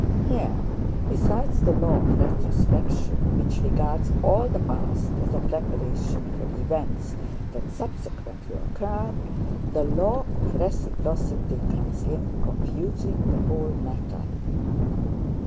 Here besides the law of retrospection, which regards all the past as a preparation for events that subsequently occur, the law of reciprocity comes in, confusing the whole matter.